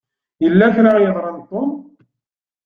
Yella kra i yeḍṛan d Tom.